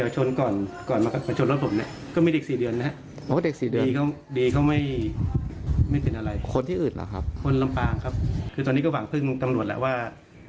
โชคดีมากแซมความสุขได้